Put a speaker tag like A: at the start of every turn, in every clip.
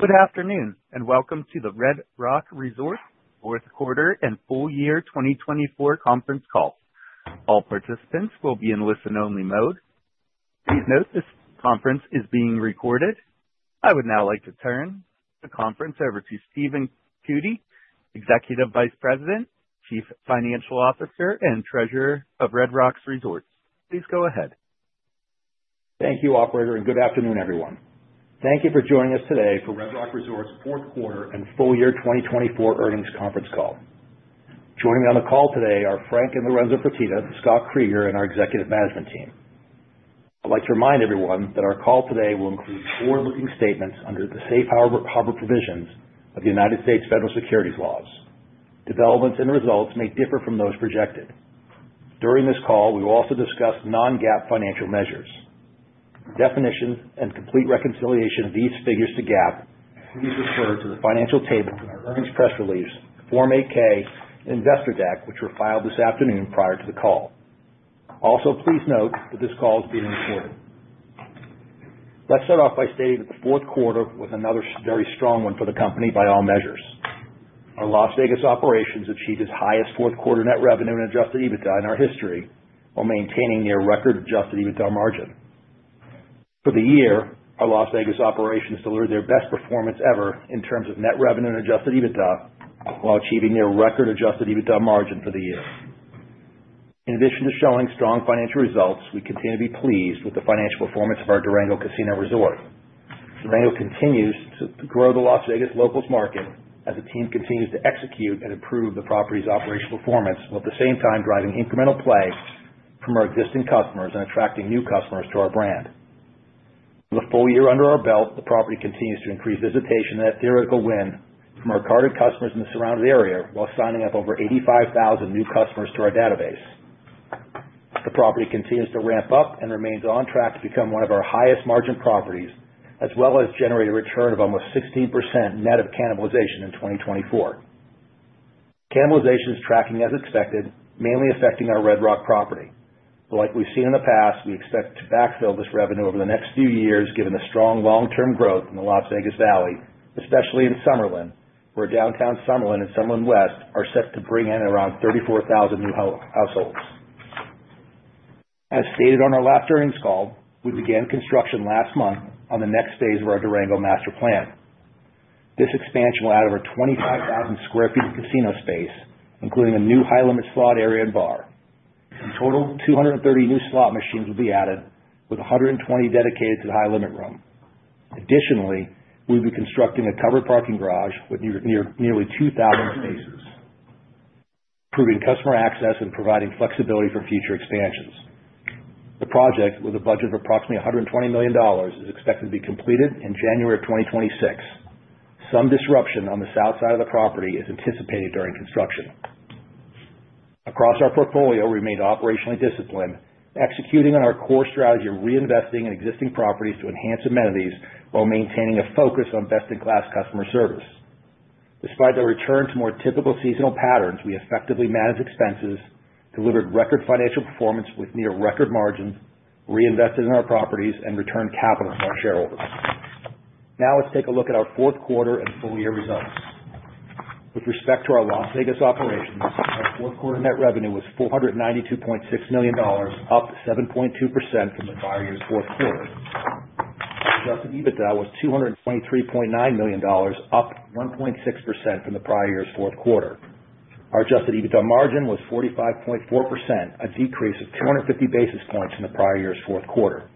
A: Good afternoon and welcome to the Red Rock Resorts Fourth Quarter and Full Year 2024 Conference Call. All participants will be in listen-only mode. Please note this conference is being recorded. I would now like to turn the conference over to Stephen Cootey, Executive Vice President, Chief Financial Officer, and Treasurer of Red Rock Resorts. Please go ahead.
B: Thank you, Operator, and good afternoon, everyone. Thank you for joining us today for Red Rock Resorts Fourth Quarter and Full Year 2024 Earnings Conference Call. Joining me on the call today are Frank and Lorenzo Fertitta, Scott Kreeger, and our Executive Management Team. I'd like to remind everyone that our call today will include forward-looking statements under the safe harbor provisions of the United States federal securities laws. Developments in the results may differ from those projected. During this call, we will also discuss Non-GAAP financial measures. Definitions and complete reconciliation of these figures to GAAP will be referred to the financial table in our earnings press release, Form 8-K, and Investor Deck, which were filed this afternoon prior to the call. Also, please note that this call is being recorded. Let's start off by stating that the fourth quarter was another very strong one for the company by all measures. Our Las Vegas operations achieved its highest fourth quarter net revenue and Adjusted EBITDA in our history while maintaining near-record Adjusted EBITDA margin. For the year, our Las Vegas operations delivered their best performance ever in terms of net revenue and Adjusted EBITDA while achieving near-record Adjusted EBITDA margin for the year. In addition to showing strong financial results, we continue to be pleased with the financial performance of our Durango Casino & Resort. Durango continues to grow the Las Vegas locals' market as the team continues to execute and improve the property's operational performance, while at the same time driving incremental play from our existing customers and attracting new customers to our brand. With a full year under our belt, the property continues to increase visitation and theoretical win from our carded customers in the surrounding area while signing up over 85,000 new customers to our database. The property continues to ramp up and remains on track to become one of our highest margin properties, as well as generate a return of almost 16% net of cannibalization in 2024. Cannibalization is tracking as expected, mainly affecting our Red Rock property. Like we've seen in the past, we expect to backfill this revenue over the next few years given the strong long-term growth in the Las Vegas Valley, especially in Summerlin, where Downtown Summerlin and Summerlin West are set to bring in around 34,000 new households. As stated on our last earnings call, we began construction last month on the next phase of our Durango Master Plan. This expansion will add over 25,000 sq ft of casino space, including a new high-limit slot area and bar. In total, 230 new slot machines will be added, with 120 dedicated to the high-limit room. Additionally, we will be constructing a covered parking garage with nearly 2,000 spaces, improving customer access and providing flexibility for future expansions. The project, with a budget of approximately $120 million, is expected to be completed in January of 2026. Some disruption on the south side of the property is anticipated during construction. Across our portfolio, we remain operationally disciplined, executing on our core strategy of reinvesting in existing properties to enhance amenities while maintaining a focus on best-in-class customer service. Despite the return to more typical seasonal patterns, we effectively managed expenses, delivered record financial performance with near-record margins, reinvested in our properties, and returned capital to our shareholders. Now let's take a look at our fourth quarter and full year results. With respect to our Las Vegas operations, our fourth quarter net revenue was $492.6 million, up 7.2% from the prior year's fourth quarter. Our Adjusted EBITDA was $223.9 million, up 1.6% from the prior year's fourth quarter. Our Adjusted EBITDA margin was 45.4%, a decrease of 250 basis points from the prior year's fourth quarter.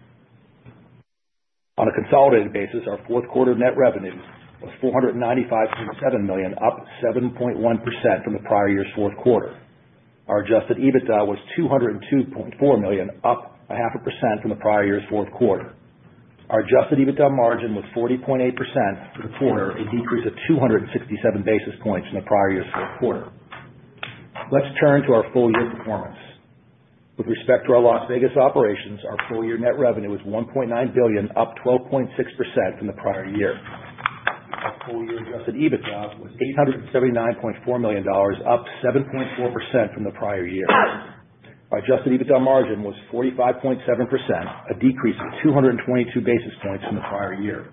B: On a consolidated basis, our fourth quarter net revenue was $495.7 million, up 7.1% from the prior year's fourth quarter. Our Adjusted EBITDA was $202.4 million, up 0.5% from the prior year's fourth quarter. Our Adjusted EBITDA margin was 40.8% for the quarter, a decrease of 267 basis points from the prior year's fourth quarter. Let's turn to our full year performance. With respect to our Las Vegas operations, our full year net revenue was $1.9 billion, up 12.6% from the prior year. Our full year Adjusted EBITDA was $879.4 million, up 7.4% from the prior year. Our Adjusted EBITDA margin was 45.7%, a decrease of 222 basis points from the prior year.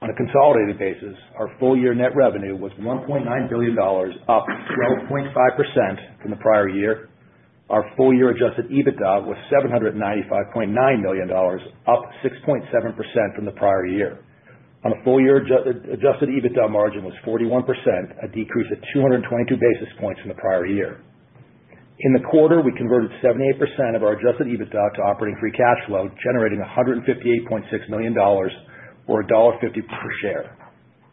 B: On a consolidated basis, our full year net revenue was $1.9 billion, up 12.5% from the prior year. Our full year Adjusted EBITDA was $795.9 million, up 6.7% from the prior year. Our full year Adjusted EBITDA margin was 41%, a decrease of 222 basis points from the prior year. In the quarter, we converted 78% of our Adjusted EBITDA to operating Free Cash Flow, generating $158.6 million or $1.50 per share.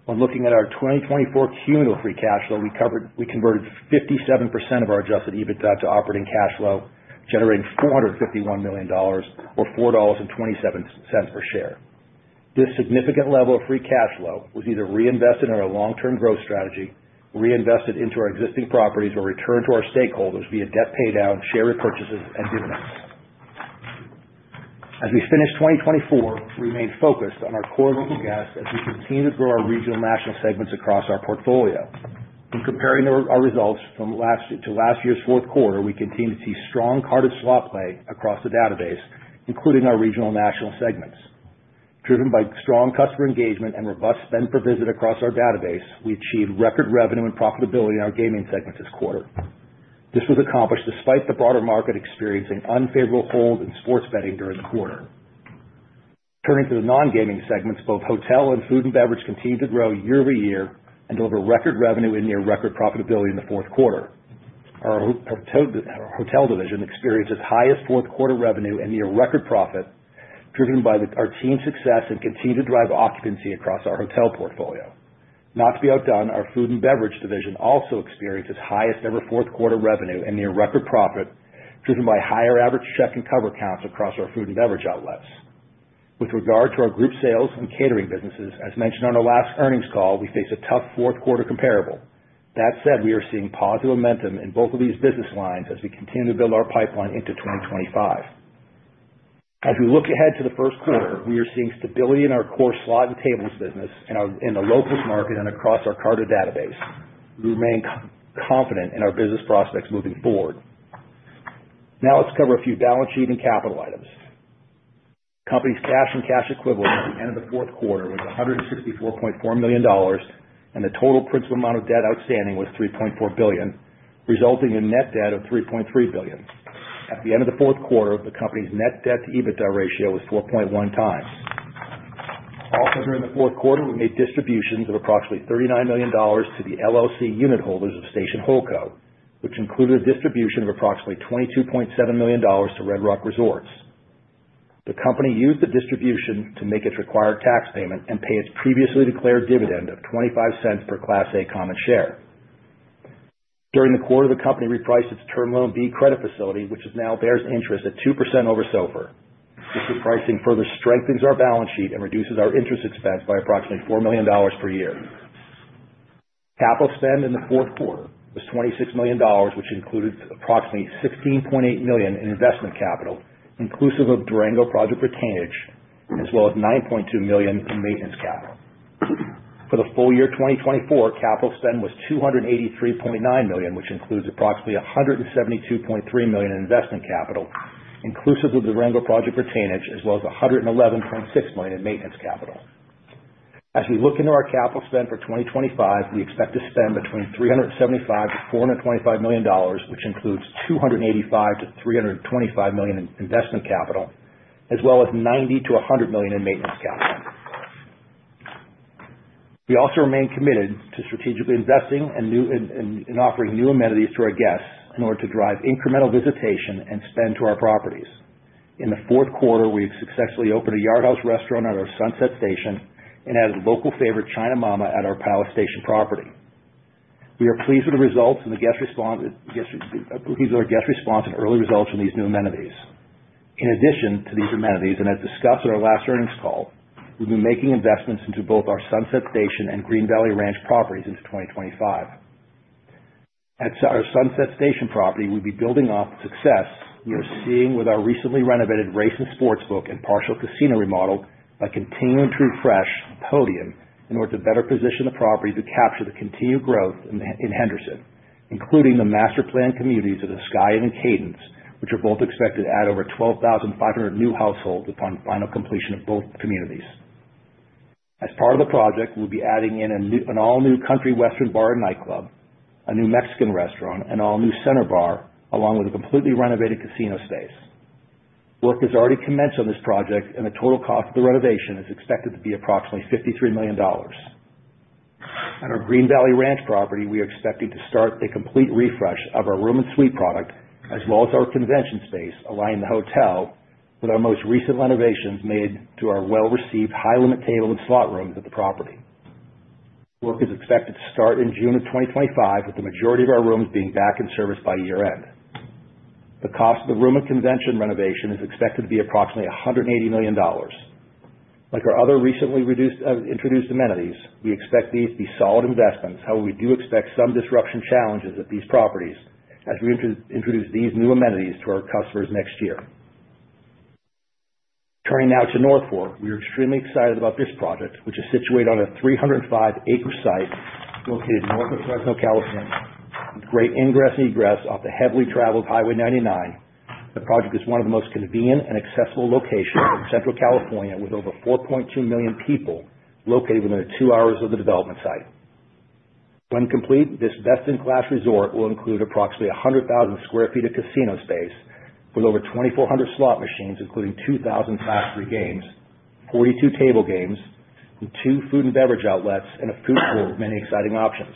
B: When looking at our 2024 cumulative Free Cash Flow, we converted 57% of our Adjusted EBITDA to operating cash flow, generating $451 million or $4.27 per share. This significant level of Free Cash Flow was either reinvested in our long-term growth strategy, reinvested into our existing properties, or returned to our stakeholders via debt paydown, share repurchases, and dividends. As we finish 2024, we remain focused on our core locals as we continue to grow our regional national segments across our portfolio. In comparing our results from last year to last year's fourth quarter, we continue to see strong carded slot play across the database, including our regional national segments. Driven by strong customer engagement and robust spend-per-visit across our database, we achieved record revenue and profitability in our gaming segments this quarter. This was accomplished despite the broader market experiencing unfavorable holds in sports betting during the quarter. Turning to the non-gaming segments, both hotel and food and beverage continued to grow year-over-year and deliver record revenue and near-record profitability in the fourth quarter. Our hotel division experienced its highest fourth quarter revenue and near-record profit, driven by our team's success, and continued to drive occupancy across our hotel portfolio. Not to be outdone, our food and beverage division also experienced its highest ever fourth quarter revenue and near-record profit, driven by higher average check and cover counts across our food and beverage outlets. With regard to our group sales and catering businesses, as mentioned on our last earnings call, we faced a tough fourth quarter comparable. That said, we are seeing positive momentum in both of these business lines as we continue to build our pipeline into 2025. As we look ahead to the first quarter, we are seeing stability in our core slot and tables business, in the locals' market, and across our carded database. We remain confident in our business prospects moving forward. Now let's cover a few balance sheet and capital items. The company's cash and cash equivalent at the end of the fourth quarter was $164.4 million, and the total principal amount of debt outstanding was $3.4 billion, resulting in net debt of $3.3 billion. At the end of the fourth quarter, the company's net debt to EBITDA ratio was 4.1 times. Also, during the fourth quarter, we made distributions of approximately $39 million to the LLC unit holders of Station Holdco, which included a distribution of approximately $22.7 million to Red Rock Resorts. The company used the distribution to make its required tax payment and pay its previously declared dividend of $0.25 per Class A Common Share. During the quarter, the company repriced its Term Loan B credit facility, which now bears interest at 2% over SOFR. This repricing further strengthens our balance sheet and reduces our interest expense by approximately $4 million per year. Capital spend in the fourth quarter was $26 million, which included approximately $16.8 million in investment capital, inclusive of Durango project retainage, as well as $9.2 million in maintenance capital. For the full year 2024, capital spend was $283.9 million, which includes approximately $172.3 million in investment capital, inclusive of Durango project retainage, as well as $111.6 million in maintenance capital. As we look into our capital spend for 2025, we expect to spend between $375-$425 million, which includes $285-$325 million in investment capital, as well as $90-$100 million in maintenance capital. We also remain committed to strategically investing and offering new amenities to our guests in order to drive incremental visitation and spend to our properties. In the fourth quarter, we have successfully opened a Yard House restaurant at our Sunset Station and added local favorite China Mama at our Palace Station property. We are pleased with the results and pleased with our guest response and early results from these new amenities. In addition to these amenities, and as discussed at our last earnings call, we've been making investments into both our Sunset Station and Green Valley Ranch properties into 2025. At our Sunset Station property, we'll be building off success we are seeing with our recently renovated Race and Sports Book and partial casino remodel by continuing to refresh the podium in order to better position the property to capture the continued growth in Henderson, including the master planned communities of the Skye and Cadence, which are both expected to add over 12,500 new households upon final completion of both communities. As part of the project, we'll be adding in an all-new country-western bar and nightclub, a new Mexican restaurant, an all-new center bar, along with a completely renovated casino space. Work has already commenced on this project, and the total cost of the renovation is expected to be approximately $53 million. At our Green Valley Ranch property, we are expecting to start a complete refresh of our room and suite product, as well as our convention space, aligning the hotel with our most recent renovations made to our well-received high-limit table and slot rooms at the property. Work is expected to start in June of 2025, with the majority of our rooms being back in service by year-end. The cost of the room and convention renovation is expected to be approximately $180 million. Like our other recently introduced amenities, we expect these to be solid investments, however, we do expect some disruption challenges at these properties as we introduce these new amenities to our customers next year. Turning now to North Fork, we are extremely excited about this project, which is situated on a 305-acre site located north of Fresno, California, with great ingress and egress off the heavily traveled Highway 99. The project is one of the most convenient and accessible locations in Central California, with over 4.2 million people located within two hours of the development site. When complete, this best-in-class resort will include approximately 100,000 sq ft of casino space with over 2,400 slot machines, including 2,000 Class III games, 42 table games, two food and beverage outlets, and a food court with many exciting options.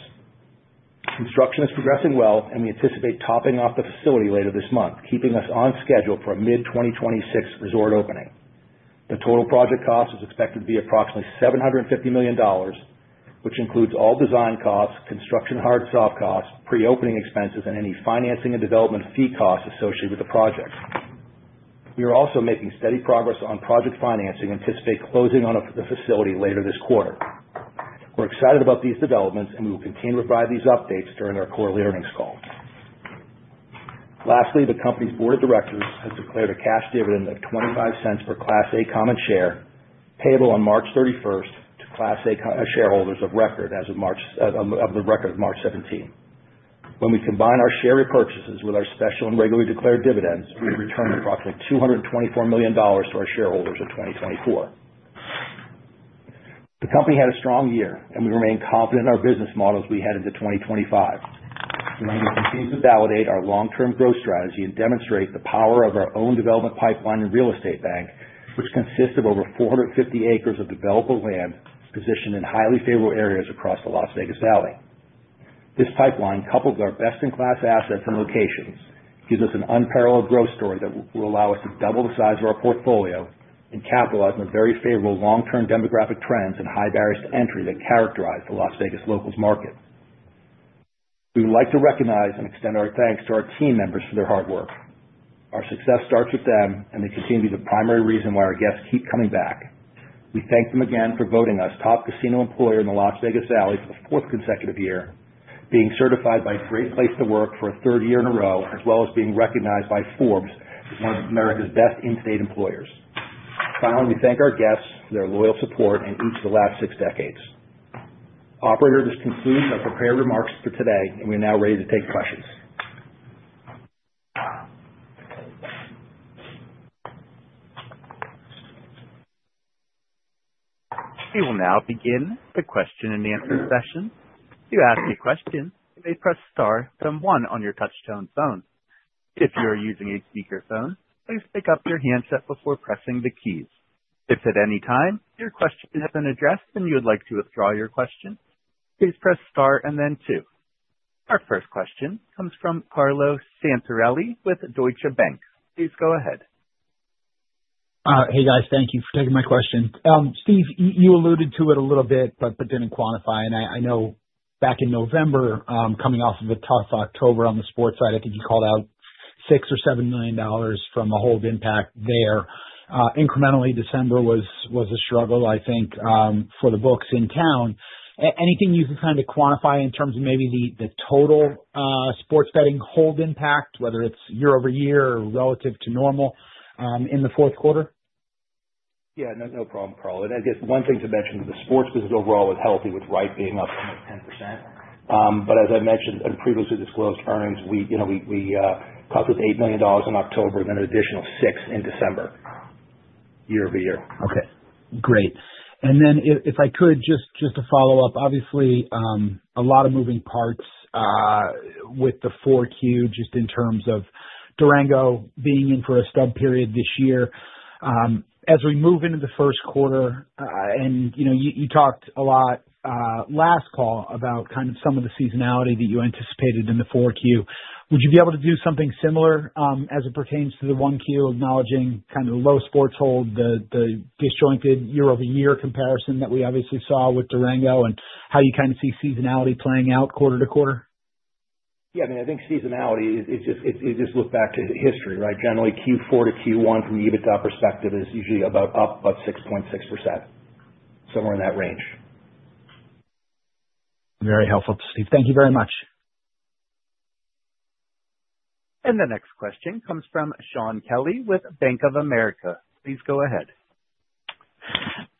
B: Construction is progressing well, and we anticipate topping off the facility later this month, keeping us on schedule for a mid-2026 resort opening. The total project cost is expected to be approximately $750 million, which includes all design costs, construction hard and soft costs, pre-opening expenses, and any financing and development fee costs associated with the project. We are also making steady progress on project financing and anticipate closing on the facility later this quarter. We're excited about these developments, and we will continue to provide these updates during our quarterly earnings call. Lastly, the company's board of directors has declared a cash dividend of $0.25 per Class A Common Share payable on March 31st to Class A shareholders of record as of the record of March 17. When we combine our share repurchases with our special and regularly declared dividends, we return approximately $224 million to our shareholders in 2024. The company had a strong year, and we remain confident in our business models we head into 2025. We will continue to validate our long-term growth strategy and demonstrate the power of our own development pipeline and real estate bank, which consists of over 450 acres of developable land positioned in highly favorable areas across the Las Vegas Valley. This pipeline, coupled with our best-in-class assets and locations, gives us an unparalleled growth story that will allow us to double the size of our portfolio and capitalize on the very favorable long-term demographic trends and high barriers to entry that characterize the Las Vegas locals' market. We would like to recognize and extend our thanks to our team members for their hard work. Our success starts with them, and they continue to be the primary reason why our guests keep coming back. We thank them again for voting us top casino employer in the Las Vegas Valley for the fourth consecutive year, being certified by Great Place to Work for a third year in a row, as well as being recognized by Forbes as one of America's best in-state employers. Finally, we thank our guests for their loyal support in each of the last six decades. Operator, this concludes our prepared remarks for today, and we are now ready to take questions.
A: We will now begin the question-and-answer session. To ask a question, you may press star and then one on your touch-tone phone. If you are using a speakerphone, please pick up your handset before pressing the keys. If at any time your question has been addressed and you would like to withdraw your question, please press star and then two. Our first question comes from Carlo Santarelli with Deutsche Bank. Please go ahead.
C: Hey, guys. Thank you for taking my question. Steve, you alluded to it a little bit, but didn't quantify it. I know back in November, coming off of a tough October on the sports side, I think you called out $6-$7 million from a hold impact there. Incrementally, December was a struggle, I think, for the books in town. Anything you can kind of quantify in terms of maybe the total sports betting hold impact, whether it's year-over-year or relative to normal in the fourth quarter?
B: Yeah, no problem, Carl. And I guess one thing to mention is the sports business overall was healthy, with right being up almost 10%. But as I mentioned in previously disclosed earnings, we caught this $8 million in October and then an additional $6 million in December, year-over-year.
C: Okay. Great. And then if I could, just to follow up, obviously a lot of moving parts with the 4Q just in terms of Durango being in for a stub period this year. As we move into the first quarter, and you talked a lot last call about kind of some of the seasonality that you anticipated in the 4Q, would you be able to do something similar as it pertains to the Q1, acknowledging kind of the low sports hold, the disjointed year-over-year comparison that we obviously saw with Durango, and how you kind of see seasonality playing out quarter-to-quarter?
B: Yeah, I mean, I think seasonality is just look back to history, right? Generally, Q4 to Q1 from the EBITDA perspective is usually up about 6.6%, somewhere in that range.
C: Very helpful, Steve. Thank you very much.
A: And the next question comes from Shaun Kelley with Bank of America. Please go ahead.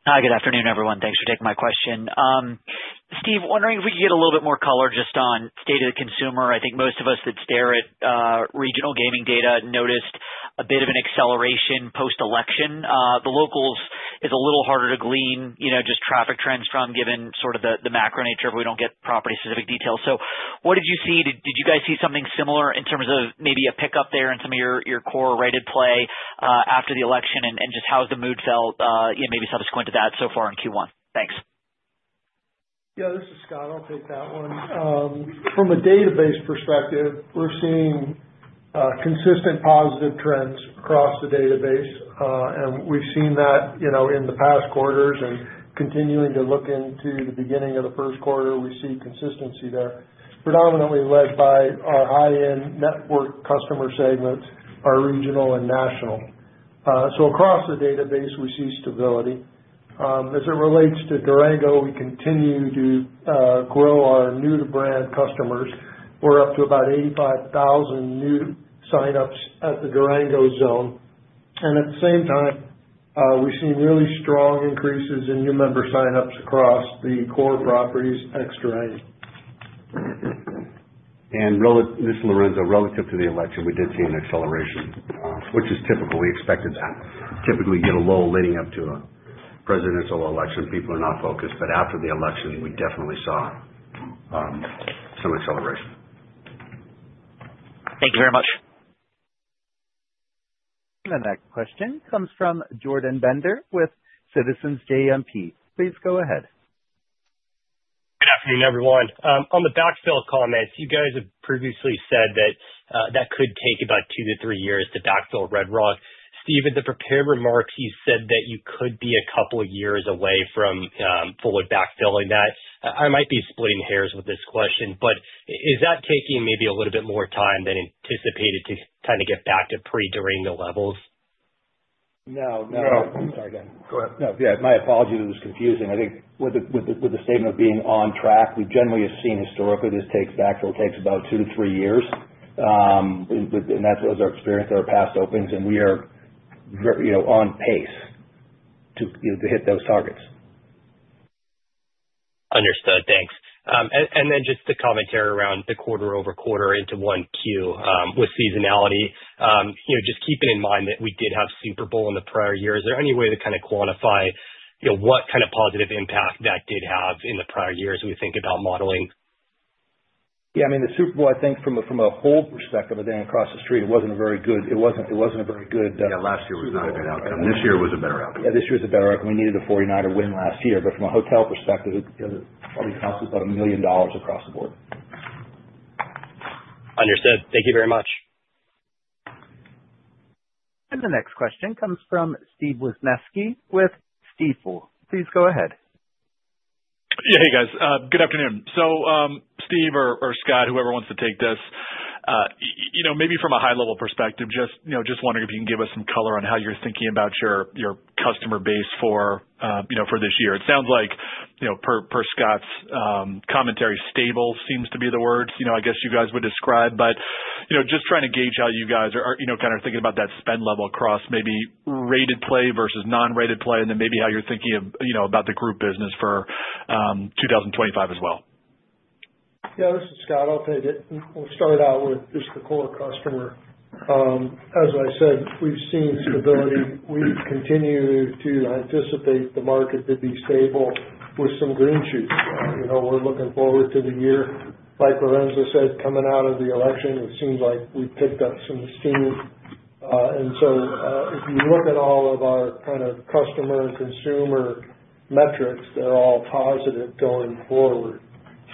D: Hi, good afternoon, everyone. Thanks for taking my question. Steve, wondering if we could get a little bit more color just on state of the consumer. I think most of us that stare at regional gaming data noticed a bit of an acceleration post-election. The locals is a little harder to glean just traffic trends from, given sort of the macro nature of we don't get property-specific details. So what did you see? Did you guys see something similar in terms of maybe a pickup there in some of your core rated play after the election, and just how has the mood felt maybe subsequent to that so far in Q1? Thanks.
E: Yeah, this is Scott. I'll take that one. From a database perspective, we're seeing consistent positive trends across the database, and we've seen that in the past quarters, and continuing to look into the beginning of the first quarter, we see consistency there, predominantly led by our high-end network customer segment, our regional and national. So across the database, we see stability. As it relates to Durango, we continue to grow our new-to-brand customers. We're up to about 85,000 new sign-ups at the Durango's own, and at the same time, we've seen really strong increases in new member sign-ups across the core properties ex-Durango.
F: And this is Lorenzo. Relative to the election, we did see an acceleration, which is typical. We expected that. Typically, you get a lull leading up to a presidential election, people are not focused. But after the election, we definitely saw some acceleration.
D: Thank you very much.
A: And the next question comes from Jordan Bender with Citizens JMP. Please go ahead.
G: Good afternoon, everyone. On the backfill comments, you guys have previously said that that could take about two to three years to backfill Red Rock. Steve, in the prepared remarks, you said that you could be a couple of years away from fully backfilling that. I might be splitting hairs with this question, but is that taking maybe a little bit more time than anticipated to kind of get back to pre-Durango levels?
B: No, no. Sorry, Dan. Go ahead. No, yeah, my apologies if it was confusing. I think with the statement of being on track, we generally have seen historically this takes backfill, takes about two to three years. And that's what was our experience at our past openings, and we are on pace to hit those targets.
G: Understood. Thanks. And then just the commentary around the quarter-over-quarter into 1Q with seasonality, just keeping in mind that we did have Super Bowl in the prior year, is there any way to kind of quantify what kind of positive impact that did have in the prior year as we think about modeling?
B: Yeah, I mean, the Super Bowl, I think from a hold perspective, again, across the street, it wasn't a very good. Yeah, last year was not a good outcome. This year was a better outcome. Yeah, this year was a better outcome. We needed a 49er win last year. But from a hotel perspective, it probably cost us about $1 million across the board.
G: Understood. Thank you very much.
A: And the next question comes from Steven Wieczynski with Stifel. Please go ahead.
H: Yeah, hey, guys. Good afternoon. So Steve or Scott, whoever wants to take this, maybe from a high-level perspective, just wondering if you can give us some color on how you're thinking about your customer base for this year. It sounds like per Scott's commentary, stable seems to be the words I guess you guys would describe. But just trying to gauge how you guys are kind of thinking about that spend level across maybe rated play versus non-rated play, and then maybe how you're thinking about the group business for 2025 as well.
E: Yeah, this is Scott. I'll take it. We'll start out with just the core customer. As I said, we've seen stability. We continue to anticipate the market to be stable with some green shoots. We're looking forward to the year. Like Lorenzo said, coming out of the election, it seems like we've picked up some steam. And so if you look at all of our kind of customer and consumer metrics, they're all positive going forward.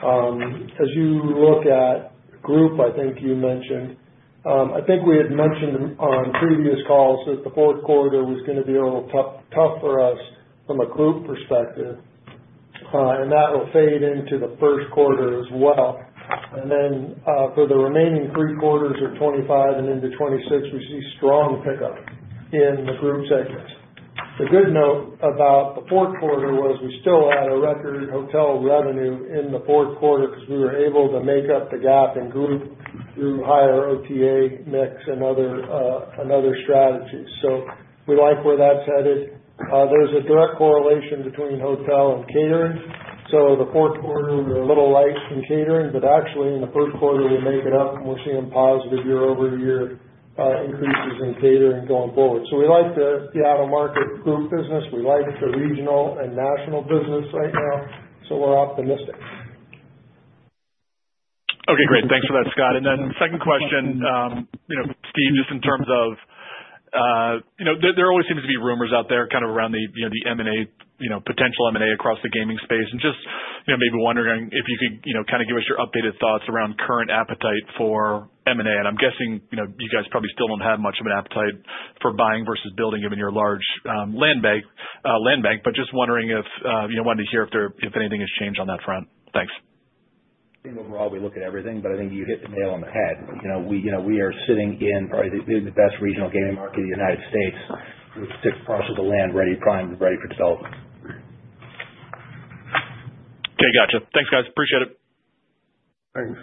E: As you look at group, I think you mentioned, I think we had mentioned on previous calls that the fourth quarter was going to be a little tough for us from a group perspective, and that will fade into the first quarter as well. And then for the remaining three quarters of 2025 and into 2026, we see strong pickup in the group segments. The good note about the fourth quarter was we still had a record hotel revenue in the fourth quarter because we were able to make up the gap in group through higher OTA mix and other strategies. So we like where that's headed. There's a direct correlation between hotel and catering. So the fourth quarter, we were a little light in catering, but actually in the first quarter, we make it up, and we're seeing positive year-over-year increases in catering going forward. So we like the out-of-market group business. We like the regional and national business right now. So we're optimistic.
H: Okay, great. Thanks for that, Scott. And then second question, Steve, just in terms of there always seems to be rumors out there kind of around the M&A, potential M&A across the gaming space. And just maybe wondering if you could kind of give us your updated thoughts around current appetite for M&A. And I'm guessing you guys probably still don't have much of an appetite for buying versus building, given your large land bank. But just wondering if wanted to hear if anything has changed on that front. Thanks.
B: I think overall we look at everything, but I think you hit the nail on the head. We are sitting in probably the best regional gaming market in the United States. We're six parcels of land ready, primed, and ready for development.
H: Okay, gotcha. Thanks, guys. Appreciate it.
E: Thanks.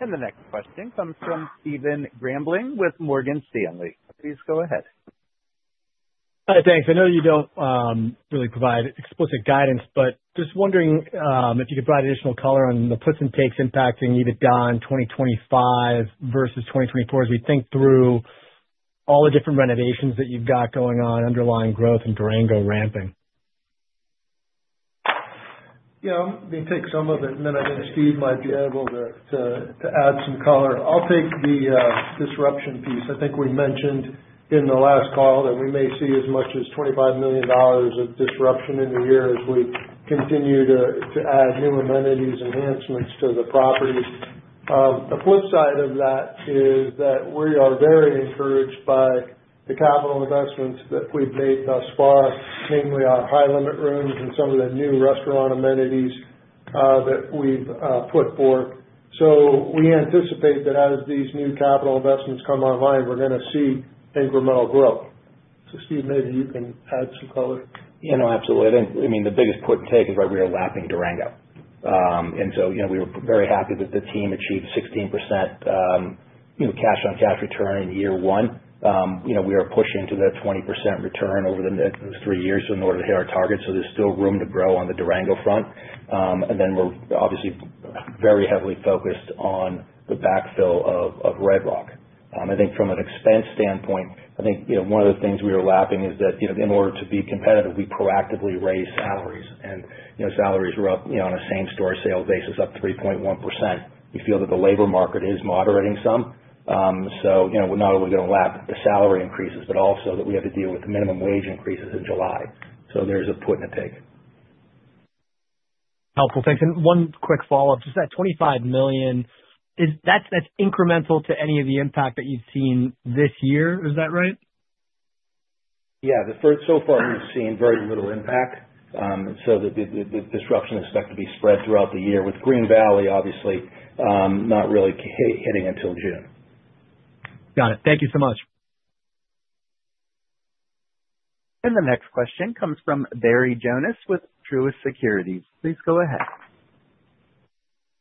A: And the next question comes from Stephen Grambling with Morgan Stanley. Please go ahead.
I: Hi, thanks. I know you don't really provide explicit guidance, but just wondering if you could provide additional color on the puts and takes impacting even down 2025 versus 2024 as we think through all the different renovations that you've got going on, underlying growth, and Durango ramping.
E: Yeah, I'm going to take some of it, and then I think Steve might be able to add some color. I'll take the disruption piece. I think we mentioned in the last call that we may see as much as $25 million of disruption in the year as we continue to add new amenities, enhancements to the properties. The flip side of that is that we are very encouraged by the capital investments that we've made thus far, namely our high-limit rooms and some of the new restaurant amenities that we've put forth. So we anticipate that as these new capital investments come online, we're going to see incremental growth. So Steve, maybe you can add some color.
B: Yeah, no, absolutely. I mean, the biggest put and take is right where we are lapping Durango. And so we were very happy that the team achieved 16% cash-on-cash return in year one. We are pushing to that 20% return over those three years in order to hit our targets. So there's still room to grow on the Durango front. And then we're obviously very heavily focused on the backfill of Red Rock. I think from an expense standpoint, I think one of the things we are lapping is that in order to be competitive, we proactively raise salaries. And salaries were up on a same-store sales basis up 3.1%. We feel that the labor market is moderating some. So we're not only going to lap the salary increases, but also that we have to deal with the minimum wage increases in July. So there's a put and a take.
I: Helpful. Thanks. And one quick follow-up. Just that $25 million, that's incremental to any of the impact that you've seen this year. Is that right?
B: Yeah. So far, we've seen very little impact. So the disruption is expected to be spread throughout the year with Green Valley, obviously not really hitting until June.
I: Got it. Thank you so much.
A: And the next question comes from Barry Jonas with Truist Securities. Please go ahead.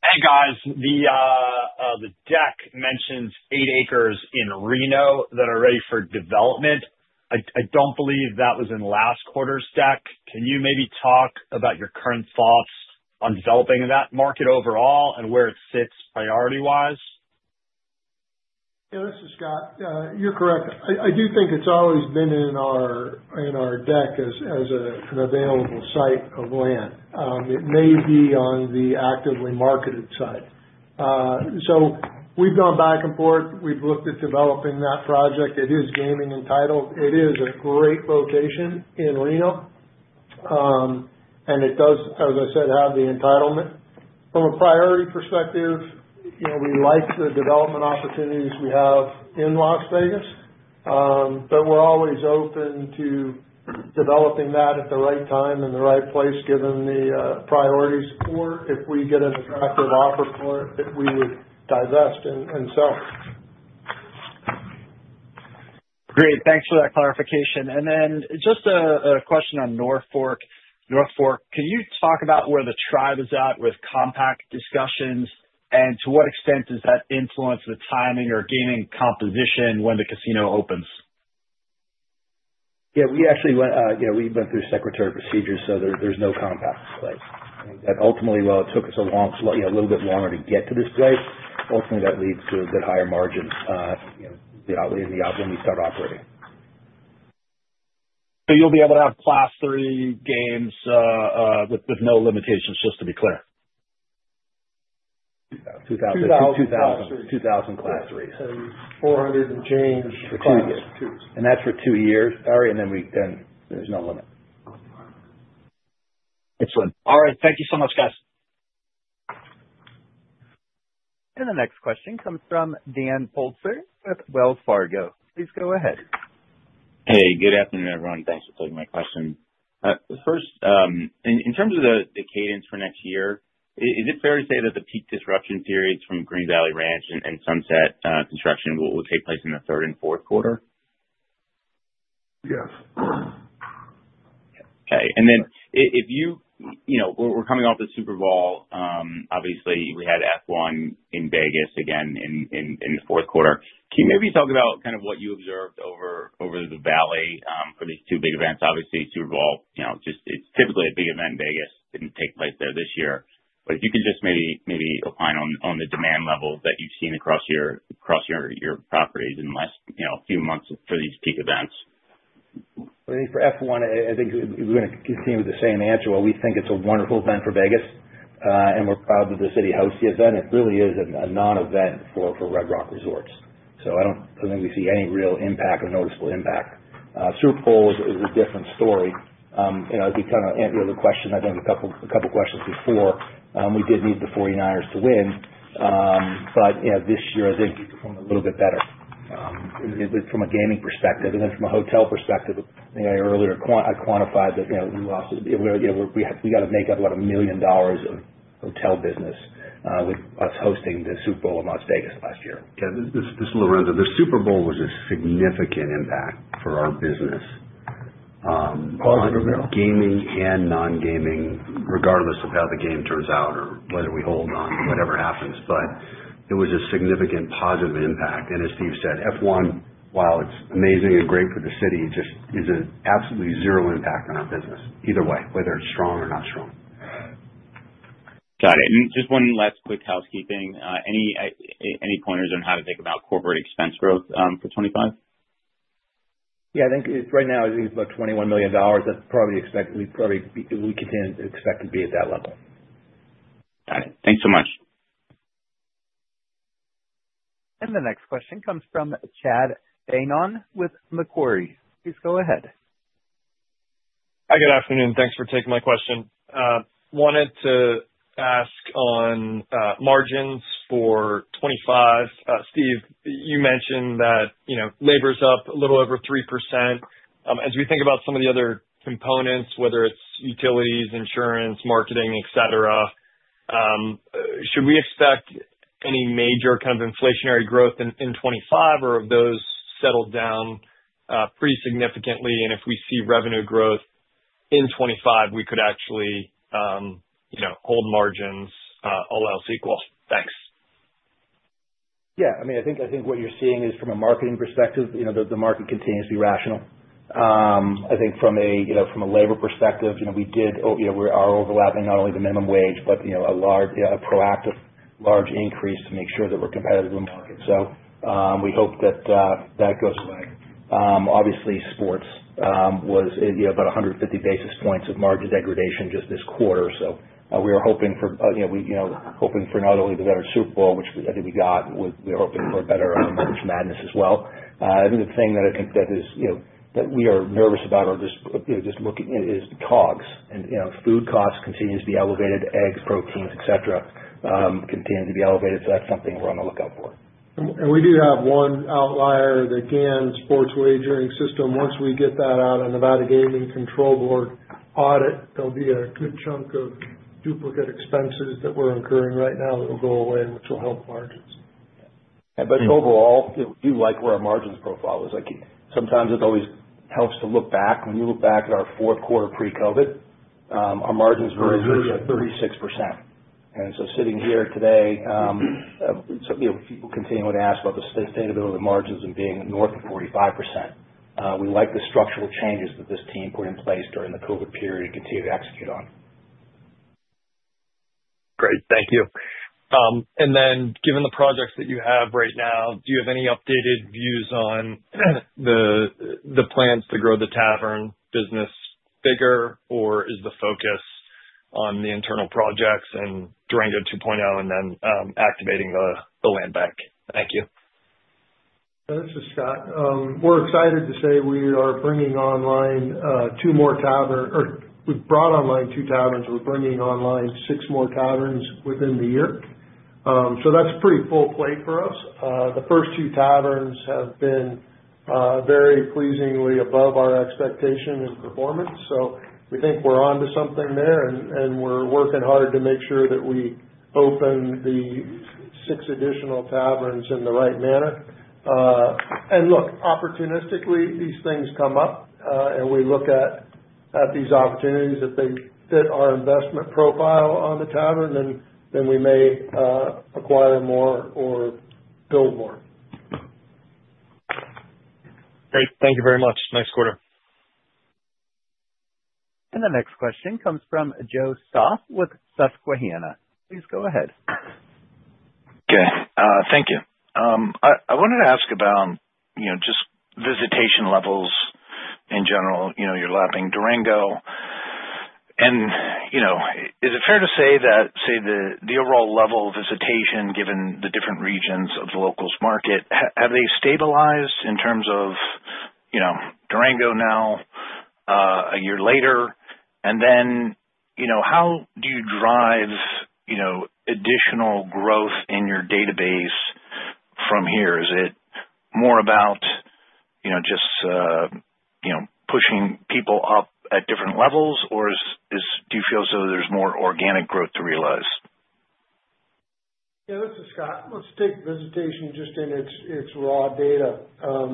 J: Hey, guys. The deck mentions eight acres in Reno that are ready for development. I don't believe that was in last quarter's deck. Can you maybe talk about your current thoughts on developing that market overall and where it sits priority-wise?
E: Yeah, this is Scott. You're correct. I do think it's always been in our deck as an available site of land. It may be on the actively marketed side. So we've gone back and forth. We've looked at developing that project. It is gaming entitled. It is a great location in Reno, and it does, as I said, have the entitlement. From a priority perspective, we like the development opportunities we have in Las Vegas. But we're always open to developing that at the right time and the right place, given the priorities for it. If we get an attractive offer for it, we would divest and sell.
J: Great. Thanks for that clarification, and then just a question on North Fork. North Fork, can you talk about where the tribe is at with compact discussions, and to what extent does that influence the timing or gaming composition when the casino opens?
B: Yeah, we actually went through secretarial procedures, so there's no compact in place. And ultimately, while it took us a little bit longer to get to this place, ultimately, that leads to a bit higher margin when we start operating.
J: So you'll be able to have Class III games with no limitations, just to be clear.
B: 2,000, 2,000, 2,000 Class III. 400 and change for two years. And that's for two years. Sorry. And then there's no limit.
J: Excellent. All right. Thank you so much, guys.
A: And the next question comes from Dan Politzer with Wells Fargo. Please go ahead.
K: Hey, good afternoon, everyone. Thanks for taking my question. First, in terms of the cadence for next year, is it fair to say that the peak disruption periods from Green Valley Ranch and Sunset Station construction will take place in the third and fourth quarter?
E: Yes.
K: Okay. And then if you were coming off the Super Bowl, obviously, we had F1 in Vegas again in the fourth quarter. Can you maybe talk about kind of what you observed over the valley for these two big events? Obviously, Super Bowl, it's typically a big event in Vegas. It didn't take place there this year. But if you could just maybe opine on the demand level that you've seen across your properties in the last few months for these peak events.
B: I think for F1, I think we're going to continue with the same answer. Well, we think it's a wonderful event for Vegas, and we're proud that the city hosts the event. It really is a non-event for Red Rock Resorts. So I don't think we see any real impact or noticeable impact. Super Bowl is a different story. As we kind of answered the question, I think a couple of questions before, we did need the 49ers to win. But this year, I think we performed a little bit better from a gaming perspective. And then from a hotel perspective, I earlier quantified that we lost, we got to make up about $1 million of hotel business with us hosting the Super Bowl in Las Vegas last year.
F: Yeah, this is Lorenzo. The Super Bowl was a significant impact for our business. Positive gaming and non-gaming, regardless of how the game turns out or whether we hold on, whatever happens. But it was a significant positive impact. And as Steve said, F1, while it is amazing and great for the city, just is an absolutely zero impact on our business either way, whether it is strong or not strong.
K: Got it. And just one last quick housekeeping. Any pointers on how to think about corporate expense growth for 2025?
B: Yeah, I think right now, I think it's about $21 million. That's probably expected. We continue to expect to be at that level.
K: Got it. Thanks so much.
A: And the next question comes from Chad Beynon with Macquarie. Please go ahead.
L: Hi, good afternoon. Thanks for taking my question. Wanted to ask on margins for 2025. Steve, you mentioned that labor's up a little over 3%. As we think about some of the other components, whether it's utilities, insurance, marketing, etc., should we expect any major kind of inflationary growth in 2025, or have those settled down pretty significantly? And if we see revenue growth in 2025, we could actually hold margins all else equal. Thanks.
B: Yeah. I mean, I think what you're seeing is from a marketing perspective, the market continues to be rational. I think from a labor perspective, we did our overlapping not only the minimum wage, but a proactive large increase to make sure that we're competitive in the market. So we hope that that goes away. Obviously, sports was about 150 basis points of margin degradation just this quarter. So we were hoping for not only the better Super Bowl, which I think we got, we were hoping for a better March Madness as well. I think the thing that I think that is that we are nervous about or just looking at is the COGS. And food costs continue to be elevated. Eggs, proteins, etc., continue to be elevated. So that's something we're on the lookout for.
E: And we do have one outlier, the GAN sports wagering system. Once we get that out of Nevada Gaming Control Board audit, there'll be a good chunk of duplicate expenses that we're incurring right now that will go away, which will help margins.
B: But overall, we do like where our margins profile is. Sometimes it always helps to look back. When you look back at our fourth quarter pre-COVID, our margins were at 36%. And so sitting here today, people continue to ask about the sustainability of the margins and being north of 45%. We like the structural changes that this team put in place during the COVID period and continue to execute on.
L: Great. Thank you. And then given the projects that you have right now, do you have any updated views on the plans to grow the tavern business bigger, or is the focus on the internal projects and Durango 2.0 and then activating the land bank? Thank you.
E: This is Scott. We're excited to say we are bringing online two more taverns, or we've brought online two taverns. We're bringing online six more taverns within the year. So that's a pretty full plate for us. The first two taverns have been very pleasingly above our expectation in performance. We think we're on to something there, and we're working hard to make sure that we open the six additional taverns in the right manner. Look, opportunistically, these things come up, and we look at these opportunities that fit our investment profile on the tavern, and then we may acquire more or build more.
L: Thank you very much. Nice quarter.
A: The next question comes from Joe Stauff with Susquehanna. Please go ahead.
M: Okay. Thank you. I wanted to ask about just visitation levels in general. You're lapping Durango. Is it fair to say that, say, the overall level of visitation, given the different regions of the local market, have they stabilized in terms of Durango now, a year later? And then how do you drive additional growth in your database from here? Is it more about just pushing people up at different levels, or do you feel as though there's more organic growth to realize?
E: Yeah, this is Scott. Let's take visitation just in its raw data.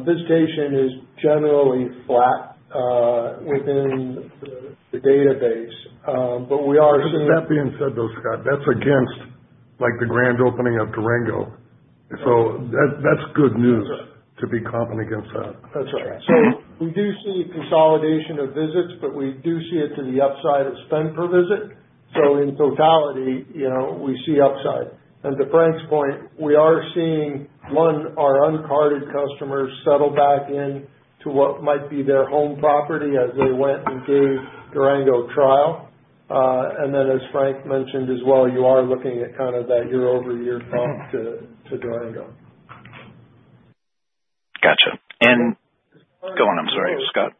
E: Visitation is generally flat within the database. But we are seeing.
M: That being said, though, Scott, that's against the grand opening of Durango. So that's good news to be able to compete against that.
E: That's right. So we do see consolidation of visits, but we do see it to the upside of spend per visit. So in totality, we see upside. To Frank's point, we are seeing, one, our uncarded customers settle back into what might be their home property as they went and gave Durango trial. And then, as Frank mentioned as well, you are looking at kind of that year-over-year bump to Durango.
N: Gotcha. And go on. I'm sorry, Scott.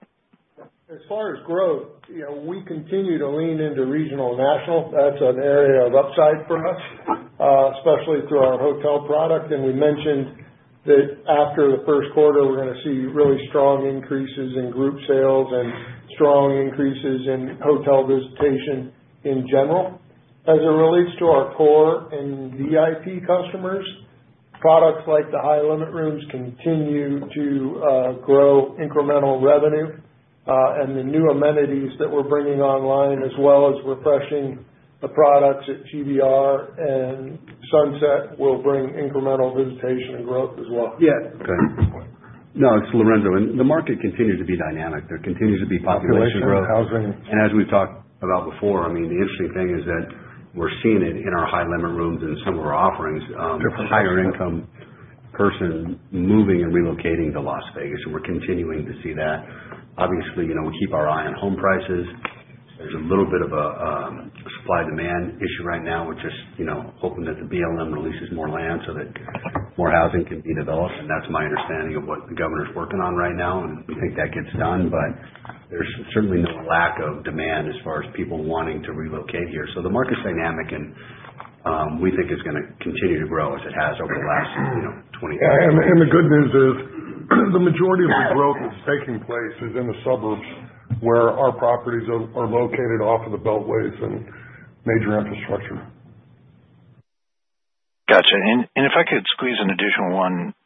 E: As far as growth, we continue to lean into regional and national. That's an area of upside for us, especially through our hotel product. And we mentioned that after the first quarter, we're going to see really strong increases in group sales and strong increases in hotel visitation in general. As it relates to our core and VIP customers, products like the high limit rooms continue to grow incremental revenue. And the new amenities that we're bringing online, as well as refreshing the products at GVR and Sunset, will bring incremental visitation and growth as well.
F: Yeah. Okay. No, it's Lorenzo. And the market continues to be dynamic. There continues to be population growth. And as we've talked about before, I mean, the interesting thing is that we're seeing it in our high limit rooms and some of our offerings. A higher income person moving and relocating to Las Vegas. And we're continuing to see that. Obviously, we keep our eye on home prices. There's a little bit of a supply-demand issue right now. We're just hoping that the BLM releases more land so that more housing can be developed. And that's my understanding of what the governor's working on right now. And we think that gets done. But there's certainly no lack of demand as far as people wanting to relocate here. So the market's dynamic, and we think it's going to continue to grow as it has over the last 20-30 years.
M: The good news is the majority of the growth that's taking place is in the suburbs where our properties are located off of the beltways and major infrastructure.
N: Gotcha. If I could squeeze an additional one,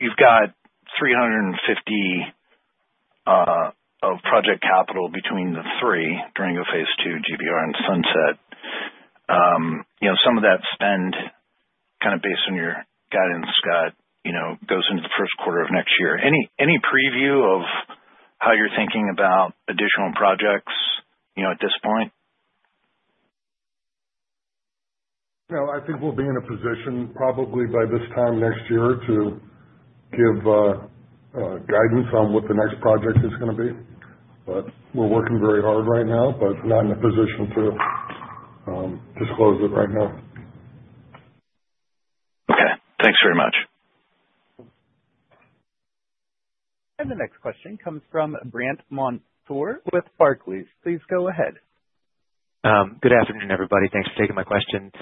N: you've got 350 of project capital between the three: Durango Phase 2, GVR, and Sunset. Some of that spend, kind of based on your guidance, Scott, goes into the first quarter of next year. Any preview of how you're thinking about additional projects at this point?
M: No, I think we'll be in a position probably by this time next year to give guidance on what the next project is going to be. But we're working very hard right now, but not in a position to disclose it right now.
N: Okay. Thanks very much.
A: And the next question comes from Brandt Montour with Barclays. Please go ahead.
O: Good afternoon, everybody. Thanks for taking my question.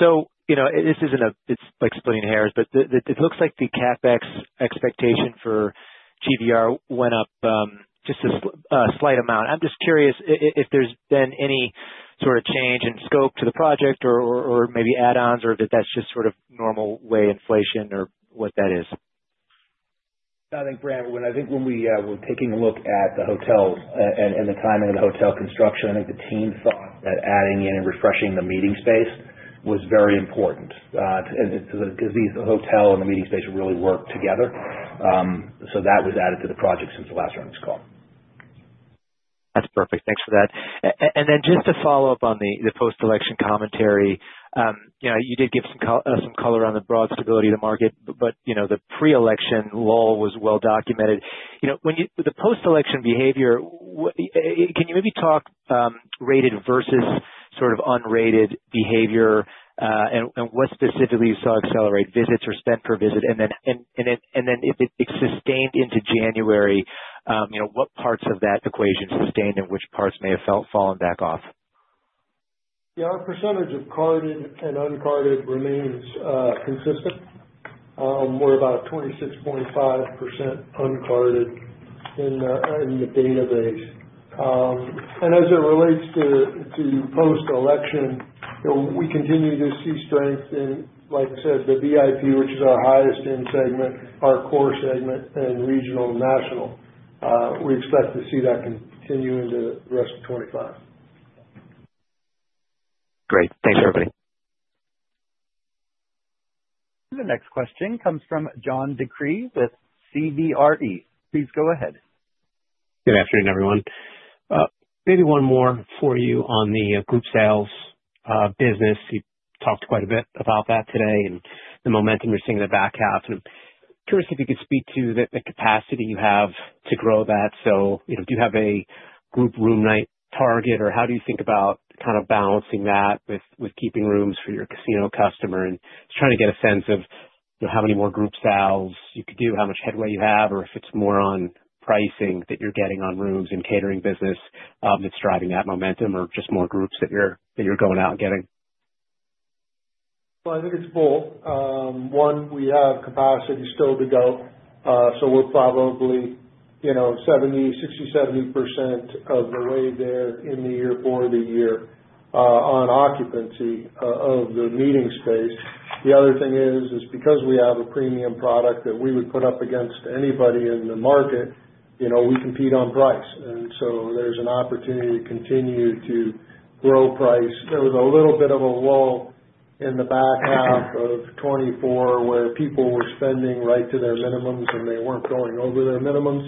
O: So this isn't a, it's like splitting hairs, but it looks like the CapEx expectation for GVR went up just a slight amount. I'm just curious if there's been any sort of change in scope to the project or maybe add-ons, or that that's just sort of normal way inflation or what that is.
B: I think, Brandt, when I think we were taking a look at the hotel and the timing of the hotel construction, I think the team thought that adding in and refreshing the meeting space was very important because the hotel and the meeting space really work together. So that was added to the project since the last round of this call.
O: That's perfect. Thanks for that. Then just to follow up on the post-election commentary, you did give some color on the broad stability of the market, but the pre-election lull was well documented. The post-election behavior, can you maybe talk rated versus sort of unrated behavior, and what specifically you saw accelerate visits or spend per visit? And then if it sustained into January, what parts of that equation sustained and which parts may have fallen back off?
E: Yeah, our percentage of carded and uncarded remains consistent. We're about 26.5% uncarded in the database. And as it relates to post-election, we continue to see strength in, like I said, the VIP, which is our highest-end segment, our core segment, and regional and national. We expect to see that continue into the rest of 2025.
O: Great. Thanks, everybody.
A: And the next question comes from John DeCree with CBRE. Please go ahead.
P: Good afternoon, everyone. Maybe one more for you on the group sales business. You talked quite a bit about that today and the momentum you're seeing in the back half, and I'm curious if you could speak to the capacity you have to grow that. So do you have a group room night target, or how do you think about kind of balancing that with keeping rooms for your casino customer, and just trying to get a sense of how many more group sales you could do, how much headway you have, or if it's more on pricing that you're getting on rooms and catering business that's driving that momentum, or just more groups that you're going out and getting?
E: Well, I think it's both. One, we have capacity still to go. So we're probably 60%-70% of the way there in the year for the year on occupancy of the meeting space. The other thing is, because we have a premium product that we would put up against anybody in the market, we compete on price. And so there's an opportunity to continue to grow price. There was a little bit of a lull in the back half of 2024 where people were spending right to their minimums, and they weren't going over their minimums.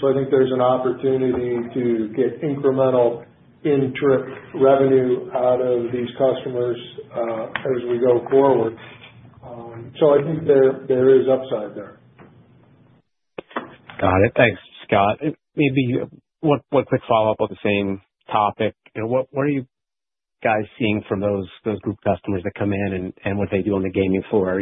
E: So I think there's an opportunity to get incremental in-trip revenue out of these customers as we go forward. So I think there is upside there.
P: Got it. Thanks, Scott. Maybe one quick follow-up on the same topic. What are you guys seeing from those group customers that come in and what they do on the gaming floor? Are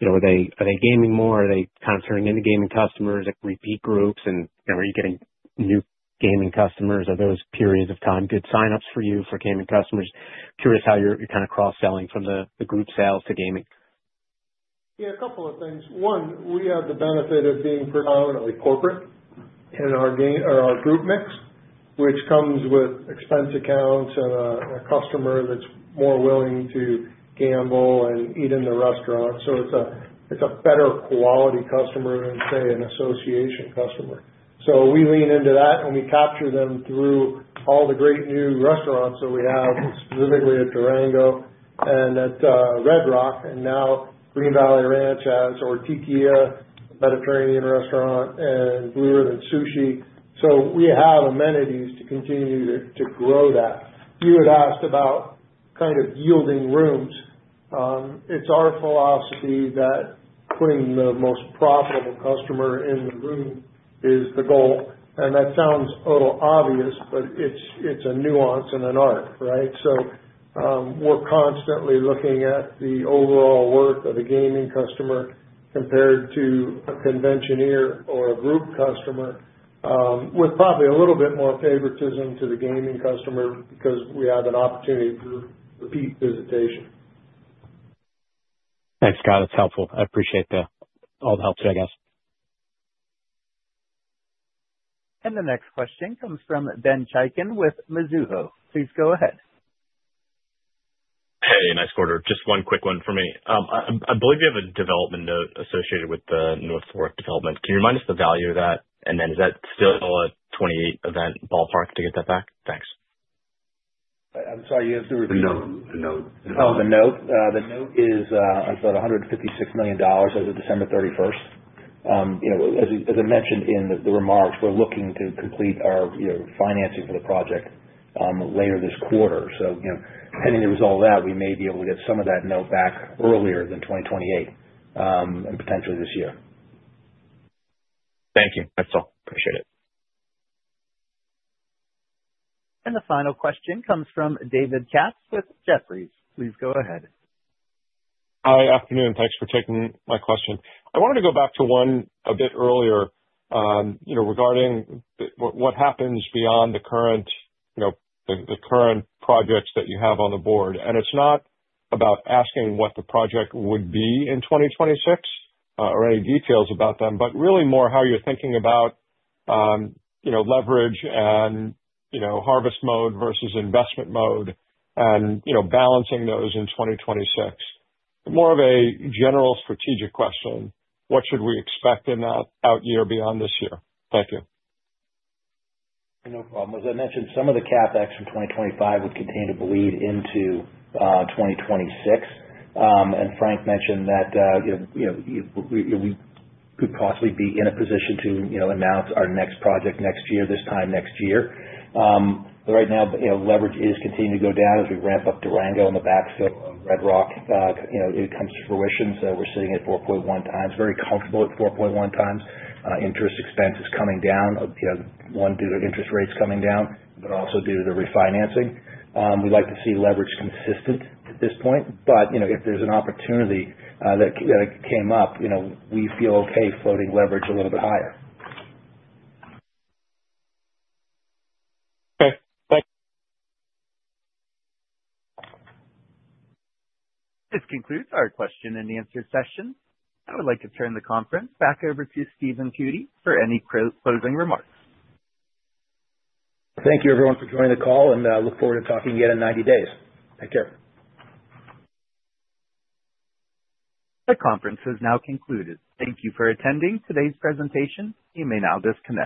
P: they gaming more? Are they kind of turning into gaming customers? Repeat groups? And are you getting new gaming customers? Are those periods of time good sign-ups for you for gaming customers? Curious how you're kind of cross-selling from the group sales to gaming.
E: Yeah, a couple of things. One, we have the benefit of being predominantly corporate in our group mix, which comes with expense accounts and a customer that's more willing to gamble and eat in the restaurant. So it's a better quality customer than, say, an association customer. So we lean into that, and we capture them through all the great new restaurants that we have, specifically at Durango and at Red Rock, and now Green Valley Ranch has Ortikia, Mediterranean restaurant, and Blue Ribbon Sushi. So we have amenities to continue to grow that. You had asked about kind of yielding rooms. It's our philosophy that putting the most profitable customer in the room is the goal. And that sounds a little obvious, but it's a nuance and an art, right? So we're constantly looking at the overall worth of a gaming customer compared to a convention or a group customer, with probably a little bit more favoritism to the gaming customer because we have an opportunity for repeat visitation.
P: Thanks, Scott. That's helpful. I appreciate all the help too, I guess.
Q: And the next question comes from Ben Chaiken with Mizuho. Please go ahead. Hey, nice quarter. Just one quick one for me. I believe we have a development note associated with the North Fork development. Can you remind us the value of that? And then is that still a 28 million ballpark to get that back? Thanks.
B: I'm sorry. You have to repeat. The note. Oh, the note. The note is about $156 million as of December 31st. As I mentioned in the remarks, we're looking to complete our financing for the project later this quarter. So pending the result of that, we may be able to get some of that note back earlier than 2028 and potentially this year.
Q: Thank you. That's all. Appreciate it.
A: And the final question comes from David Katz with Jefferies. Please go ahead.
R: Hi. Afternoon. Thanks for taking my question. I wanted to go back to one a bit earlier regarding what happens beyond the current projects that you have on the board. And it's not about asking what the project would be in 2026 or any details about them, but really more how you're thinking about leverage and harvest mode versus investment mode and balancing those in 2026. More of a general strategic question. What should we expect in that out year beyond this year? Thank you.
B: No problem. As I mentioned, some of the CapEx from 2025 would continue to bleed into 2026. And Frank mentioned that we could possibly be in a position to announce our next project next year, this time next year. But right now, leverage is continuing to go down as we ramp up Durango in the backfill of Red Rock. It comes to fruition. So we're sitting at 4.1x, very comfortable at 4.1x. Interest expense is coming down, one due to interest rates coming down, but also due to the refinancing. We'd like to see leverage consistent at this point. But if there's an opportunity that came up, we feel okay floating leverage a little bit higher.
R: Okay. Thanks.
A: This concludes our question-and-answer session. I would like to turn the conference back over to Stephen Cootey for any closing remarks.
B: Thank you, everyone, for joining the call, and look forward to talking again in 90 days. Take care.
A: The conference has now concluded. Thank you for attending today's presentation. You may now disconnect.